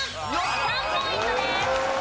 ３ポイントです。